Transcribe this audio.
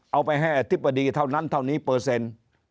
เอาไปให้อธิบดีเท่านั้นเท่านี้เปอร์เซ็นต์